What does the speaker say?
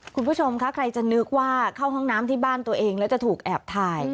คุณผู้ชมคะใครจะนึกว่าเข้าห้องน้ำที่บ้านตัวเองแล้วจะถูกแอบถ่าย